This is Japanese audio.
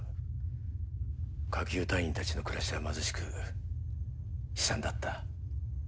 下級隊員たちの暮らしは貧しく悲惨だった。